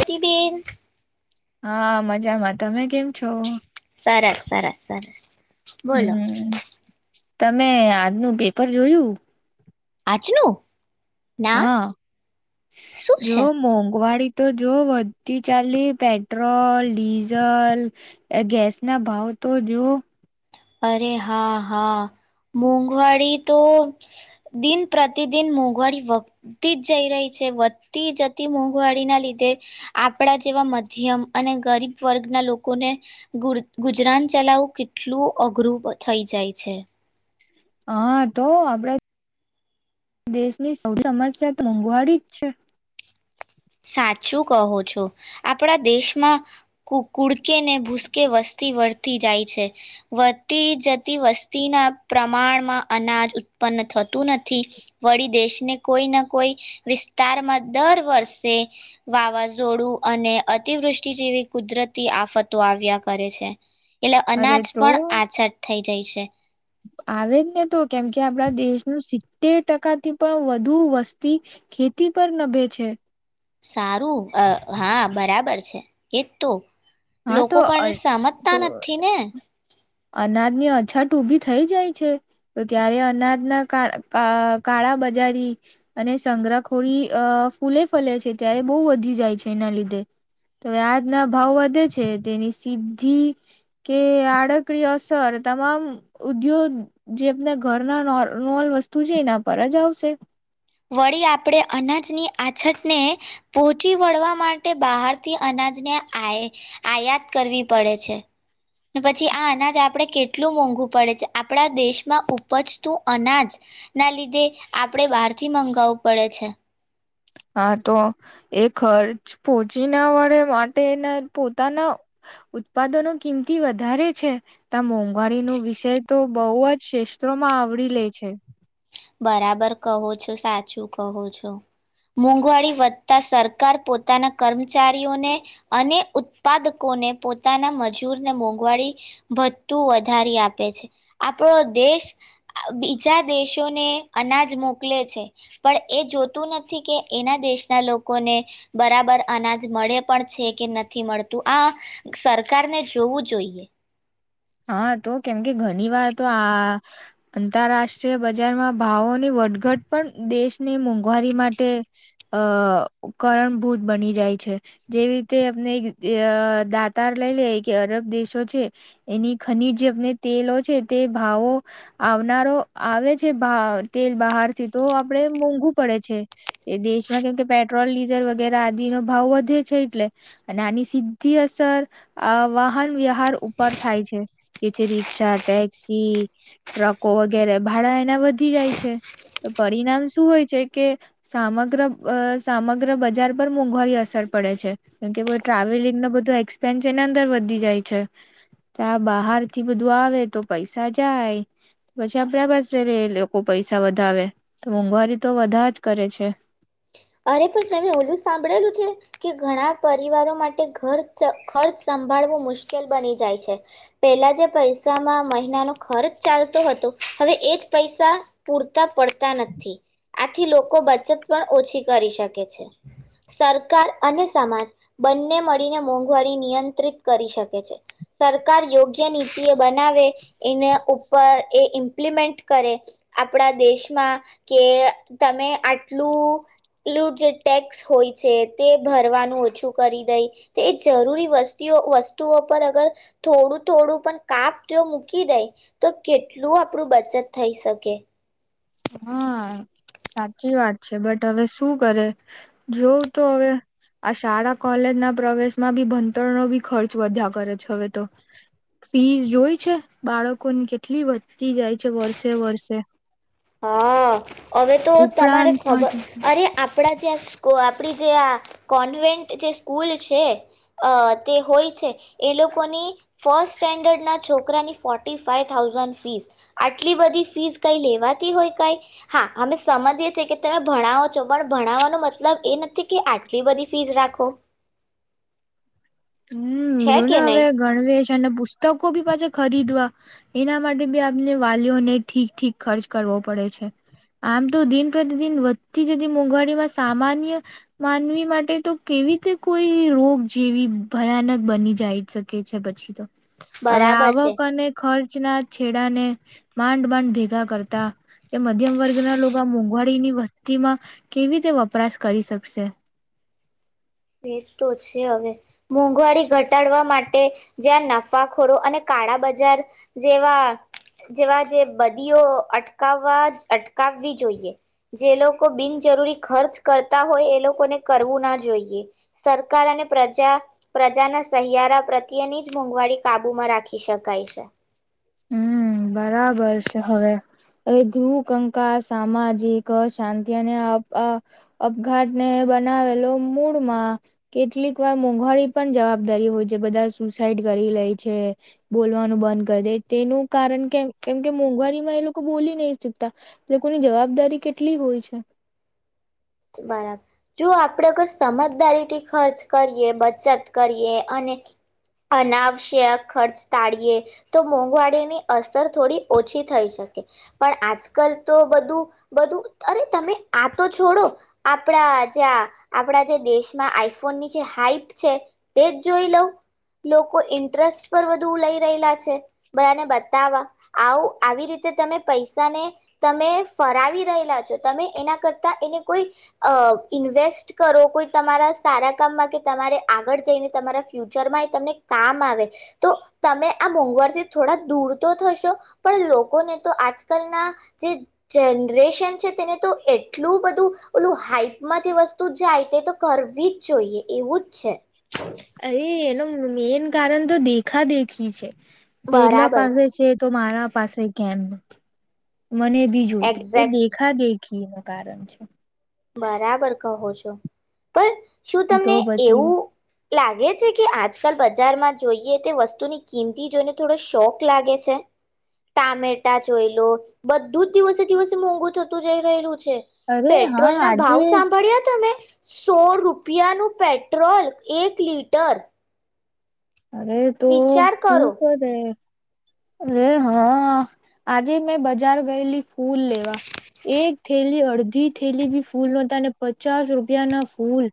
ટ બેન. હા મજામાં તમે કેમ છો? સરસ, સરસ, સરસ. બોલો? હમ તમે આજનું પેપર જોયું? આજનું? ના હા શું જો છે મોંઘવાડી તો જો વધતી ચાલી પેટ્રોલ, ડીઝલ, ગેસ ના ભાવ તો જો. અરે હા હા મોંઘવાડી તો દિન પ્રતિદિન મોંઘવારી વધતી જ જઈ રહી છે વધતી જતી મોંઘવાડી ના લીધે આપડા જેવા મધ્યમ અને ગરીબ વર્ગના લોકોને ગુજરાન ચલાવવું કેટલું અઘરું થઈ જાય છે. હા તો આપડા દેશની સૌ સમસ્યા મોંઘવારી જ છે. સાચું કહો છો આપણા દેશમાં કુ કુડકેને ભૂસકે વસ્તી વળતી જાય છે વધતી જતી વસ્તીના પ્રમાણમાં અનાજ ઉત્પન્ન થતું નથી વળી દેશને કોઈને કોઈ વિસ્તારમાં દર વર્ષ વાવાઝોડું અને અતિવૃષ્ટિ જેવી કુદરતી આફતો આવ્યા કરે છે. એટલે અરે અનાજ તો પણ આછળ થઈ જઈ છે. આવે જ ને તો કેમ કે આપડા દેશનું સી તેર ટકાથી પણ વધુ વસ્તી ખેતી પર નભે છે. સારું હા બરાબર છે એજ તો. હા તો લોકો અ પણ સમજતા નથી ને અનાજની અછત ઉભી થઈ જાય છે તો ત્યારે અનાજના કાળા અ કાળા બજારી અને સંગ્રહખોરી ફૂલે ફલે છે ત્યારે બો વધી જાય છે એના લીધે તો આજના ભાવ વધે છે. છે તેની સીધી કે આડકરી અસર તમામ ઉદ્યોગ જે આપના ઘરના [unintelligible] વસ્તુ છે એના પર જ આવશે. વળી આપણે અનાજની આછતને પહોંચી વળવા માટે બહારથી અનાજને આય આયાત કરવી પડે છે. પછી આના જ આપડે કેટલું મોંઘું પડે છે. આપણા દેશમાં ઉપજતું અનાજના લીધે આપણે બાર થી મંગાવવું પડે છે. હા તો એ ખર્ચ પહોચી ના વળે માટેના પોતાના ઉત્પાદનો કિંમતી વધારે છે ત્યા મોંઘવારીનો વિષય તો બહુ જ ક્ષસ્ત્રોમાં આવરી લે છે. બરાબર કહો છો. સાચું કહો છો. મોંઘવારી વધતા સરકાર પોતાના કર્મચારીઓને અને ઉત્પાદકોને પોતાના મજૂરને મોંઘવાડી વધતું વધારી આપે છે. આપણો દેશ બીજા દેશ ને અનાજ મોકલે છે પણ એ જોતું નથી કે એના દેશના લોકોને બરાબર અનાજ મળે પણ છે કે નથી મળતું આ સરકારને જોવું જોઈએ. હા તો કેમકે ઘણી વાર તો આ આંતરરાષ્ટ્રીય બજારમાં ભાવોની વટઘટ પણ દેશની મોંઘવારી માટે અ કરણભૂત બની જાય છે. જેવી રીતે અને દાતાર લઈ લે કે અરબ દેશો છે. એની ખનીજ જે આપને તેલો છે તે ભાવો આવનારો આવે છે તેલ બહાર થી તો આપણે મોંઘું પડે છે તે દેશમાં કેમ કે પેટ્રોલ ડીઝલ વગેરે આદિનો ભાવ વધે છે એટલે અને આની સીધી અસર આ વાહન વ્યવહાર ઉપર થાય છે. જે છે રિક્ષા ટેક્સી ટ્રકો વગેરે ભાડા એના વધી જાય છે તો પરિણામ શું હોય છે કે સમગ્ર સમગ્ર બજાર પર મોંઘવારી અસર પડે છે કેમકે ટ્રાવેલિંગ ન બધો એક્સપેન્સ એની અંદર વધી જાય છે. ત્યાં બહાર થી બધું આવે તો પૈસા જાય પછી આપડા પાસે લોકો પૈસા વધાવે તો મોંઘવારી તો બધા જ કરે છે. અરે પણ તમે ઓલું સાંભળેલું છે કે ઘણા પરિવારો માટે ઘર ખર્ચ સંભાળવો મુશ્કેલ બની જાય છે. પેલા જે પૈસામાં મહિનાનો ખર્ચ ચાલતો હતો હવે એ જ પૈસા પૂરતા પડતા નથી આથી લોકો બચત પણ ઓછી કરી શકે છે. સરકાર અને સમાજ બંને મળીને મોંઘવારી નિયંત્રિત કરી શકે છે. સરકાર યોગ્ય નીતિ એ બનાવે એને ઉપર એ ઇમ્પ્લિમેન્ટ કરે આપણા દેશમાં કે તમે આટલું જે ટેક્સ હોય છે તે ભરવાનું ઓછું કરી દે તો એ જરૂરી વસતીઓ વસ્તુઓ પર અગર થોડું થોડું પણ કાપ જો મૂકી દે તો કેટલું આપણું બચત થઈ શકે. હા સાચી વાત છે બટ હવે શું કરે જોવ તો હવે આ શાળા કોલેજ ના પ્રવેશમાં બી ભણતર ન બી ખર્ચ વધ્યા કરે છે હવે તો ફીસ જોઈ છે બાળકોની કેટલી વધતી જાય છે વર્ષે વર્ષે. હા. હવે તો તમારે ઉપરાંત ખબર માટે અરે આપણા જ્યાં સ્કો આપણી જે આ કોન્વેન્ટ જે સ્કૂલ છે અ તે હોય છે એ લોકોની ફર્સ્ટ સ્ટેન્ડર્ડના છોકરાની ફોર્ટી ફાાઈવ થાઉઝન્ડ ફીસ આટલી બધી ફીઝ કંઈ લેવા તી હોય ક હા અમે સમજીએ છએ કે તમે ભણાવો છો પણ ભણાવવાનો મતલબ એ નથી કે આટલી બધી ફીસ રાખો. હમ, છે જો કે ને હવે નહી ગણવેશ અને પુસ્તકો બી પાછા ખરીદવા એના માટે બી આપને વાલીઓને ઠીક, ઠીક ખર્ચ કરવો પડે છે, આમ તો દિન પ્રતિદિન વધતી જતી મોંઘવારીમાં સામાન્ય માનવી માટે તો કેવી રીતે કોઈ રોગ જેવી ભયાનક બની જાય શકે છે પછી તો હવે બરાબર છે આવક અને ખર્ચ ના છેડાને માંડમાંડ ભેગા કરતા કે મધ્યમ વર્ગના લોકો આ મોંઘવારીની વસ્તીમાં કેવી રીતે વપરાશ કરી શકશે એ તો છે, હવે મોંઘવારી ઘટાડવા માટે જ્યાં નફાખોરો અને કાળા બજાર જેવા, જેવા જે બદીઓ અટકાવવા, અટકાવવી જોઈએ જે લોકો બિનજરૂરી ખર્ચ કરતા હોય, એ લોકોને કરવું ના જોઈએ સરકાર અને પ્રજા, પ્રજાના સહિયારા પ્રત્યેની જ મોંઘવારી કાબુમાં રાખી શકાય છે હમ બરાબર છે હવે, એટલું કંકાસ સામાજિક શાંતિ અને અપ, અપ અપઘાતને બનાવેલો મૂળમાં કેટલીક વાર મોંઘવારી પણ જવાબદારી હોય છે, બધા સુસાઈડ કરી લે છે, બોલવાનું બંધ કરે તેનું કારણ કે કેમકે મોંઘવારીમાં એ લોકો બોલી ની શકતા લોકોની જવાબદારી કેટલી હોય છે બરાબર, જો આપડે અગર સમજદારીથી ખર્ચ કરીએ, બચત કરીએ અને અનાવશ્યક ખર્ચ ટાળીએ તો મોંઘવારીની અસર થોડી ઓછી થઈ શકે પણ આજકાલ તો બધું, બધું, અરે, તમે આ તો છોડો આપણા જ્યાં આપણા જે દેશમાં આઈફોન ની જે હાઈપ છે તે જ જોઈ લો, લોકો ઇન્ટરેસ્ટ પર વધુ લઈ રહેલા છે, બધાને બતાવા આવ આવી રીતે તમે પૈસાને તમે ફરાવી રહેલા છો, તમે એના કરતા એને કોઈ આ ઇન્વેસ્ટ કરો, કોઈ તમારા સારા કામમાં કે તમારે આગળ જઈને તમારા ફ્યુચરમાં તમને કામ આવે, તો તમે આ મોંઘવારથી થોડા દૂર તો થશો પણ, લોકોને તો આજકાલના જે જનરેશન છે, તેને તો એટલું બધું ઓલું હાઈપમાં જે વસ્તુ જાય તે તો કરવી જ જોઈએ એવું જ છે અરે એ લોકો મેઈન કારણ તો દેખા દેખી છે પેલો પાગલ છે, તો મારા પાસે કેમ મને બી જોય, એ એક્ઝેક્ટલી દેખા દેખી ખી નું કારણ છે બરાબર કહો છો, પણ શું, તો તમને પછી એવું લાગે છે, કે આજકાલ બજારમાં જોઈએ તે વસ્તુની કિંમતી જોઈને થોડો શોક લાગે છે, ટામેટા જોઈ લો બધું જ દિવસે દિવસે મોંઘુ થતું જઈ રહેલું છે, અરે પે એ હા ના આજે ભાવ જ સાંભળ્યા તા મે સો રૂપિયાનું પેટ્રોલ એક લીટર અરે તો વિચાર શું કરો કરે અરે હા આજે મેં બજાર ગયેલી, ફૂલ લેવા, એક થેલી, અડધી થેલી બી ફૂલ નતા અને પચાસ રૂપિયા ના ફૂલ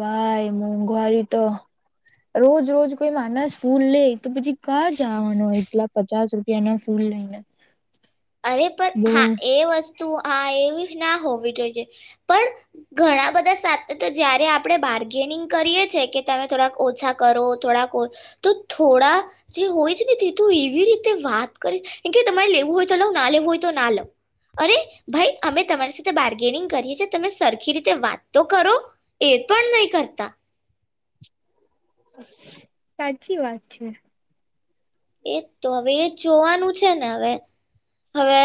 ભાઈ, મોંઘવારી તો રોજ રોજ કોઈ માનસ ફૂલ લે તો પછી કા જવાનો હોય એટલા પચાસ રૂપિયા ના ફૂલ લઈને અરે પણ, હા બો એ વસ્ તુ આ એવી ના હોવી જોઈએ પણ ઘણા બધા સાથે તો જયારે આપણે બાર્ગેનિંગ કરીએ છે, કે તમે થોડાક ઓછા કરો, થોડાક તો થોડા જે હોય છે ને તે તું એવી રીતે વાત કરે કે તમારે લેવું હોય તો લો ના લેવી હોય તો ના લો અરે, ભાઈ અમે તમારી સાથે બાર કેરિંગ કરીયે છે, તમે સરખી રીતે વાત તો કરો, એ પણ નહી કરતા સાચી વાત છે એ તો હવે એ જોવાનું છે, ને હવે હવે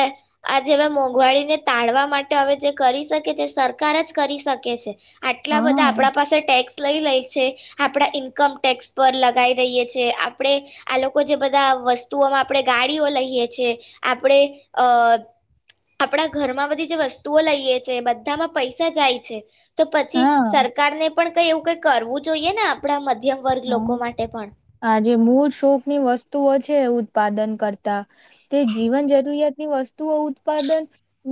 આ જેવા મોંઘવારીને તાળવા માટે હવે જે કરી શકે તે સરકાર જ કરી શકે છે આટલા બધા હા આપણા પાસે ટેક્સ લઈ લે છે, આપણા ઈન્કમ ટેક્સ પર લગાવ રહીએ છે, આપણે આ લોકો લોકો જે બધા વસ્તુઓમાં આપણેે ગાડીઓ લઈએ છે, આપણે અ આપણા ઘરમાં બધી જે વસ્તુઓ લઈએ છે, બધામાં પૈસા જાય છે તો પછી હા સરકારને પણ કંઈ એવું કંઈ કરવું જોઈએ ને આપણા મધ મધ્યમ વર્ગ હા લોકો માટે પણ ની વસ્તુઓ છે ઉત્પાદન કરતા તે જીવન જરૂરિયાત ની વસ્તુઓ ઉત્પાદન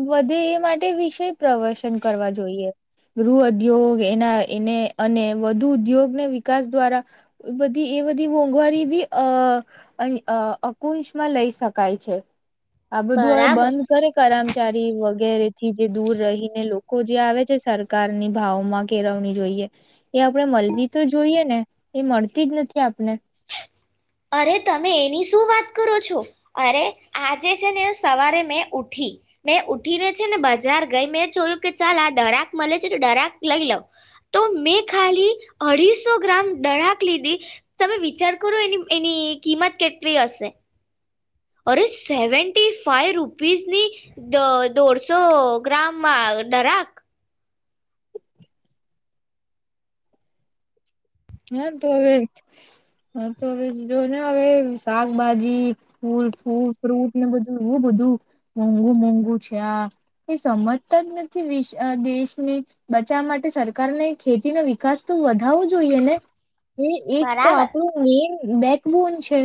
વધે એ માટે વિષય પ્રવશન કરવા જોઈએ ગૃહ ઉદ્યોગ એના એને અને વધુ ઉદ્યોગને વિકાસ દ્વારા બધી એ બધી મોંઘવારી બી અ અકુંશમાં લઈ શકાય છે આ બધું હવે બરાબર બંધ કરે કરમચારી વગેરે વગેરેથી જે દૂર રહીને લોકો જે આવે છે, સરકારની ભાવ માં કેળવણી જોઈએ એ આપણેે મળવી તો જોઈએ ને એ મળતી જ નથી આપને અરે તમે એની શું વાત કરો છો, અરે આજે છે ને સવારે મેં ઉઠી, મેં ઉઠીને છે ને બજાર ગઈ મેં ચલ્યું કે ચાલ આ દરાક મળે છે તો દરાક લઈ લઉ તો મેં ખાલી અઢીસો ગ્રામ દરાક લીધી તમે વિચાર કરો એની એની કિંમત કેટલી હશે? અરે સેવન્ટી ફાઈવ રૂપીઝની દોઢસો ગ્રામમાં દરાક હા, તો, હવે, હા, તો, હવે જો ને હવે શાકભાજી ફૂલ ફૂલ, ફ્રૂટ ને બધું એવું બધું મોંઘું મોંઘું છે, આ એ સમજતા જ નથી વિ દેશને બચાવવા માટે સરકારને ખેતી ન વિકાસ તો વધાવવો જોઈએ ને એ એજ તો બરાબર આપણું મેઈન બેકબોન છે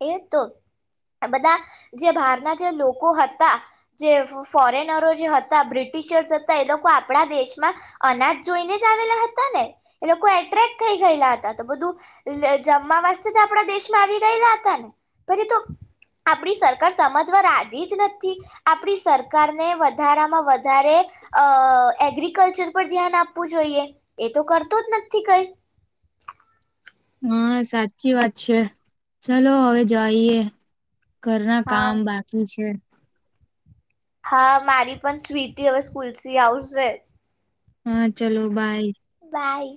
એ, તો, બધા જે બહારના જે લોકો હતા જે ફોરેનરો જે હતા બ્રિટિશર્સ હતા એ લોકો આપણા દેશમાં અનાજ જોઈને જ આવેલા હતા ને એ લોકો એટ્રેક્ટ થઈ ગયેલા હતા તો બધું જમવા વાસ્તે જ આપણા દેશમાં આવી ગયેલા હતા આપણી સરકાર સમજવા રાજી જ નથી, આપણી સરકારને વધારામાં વધા વધારે અ એગ્રિકલ્ચર પર ધ્યાન આપવું જોઈએ, એ તો કરતો જ નથી કઈ હા સાચી વાત છે, ચલો હવે જઈએ ઘરના હા કામ બાકી છે હા, મારી પણ સ્વીટી હવે સ્કૂલ થી આવશે હા, ચલો બાય બાય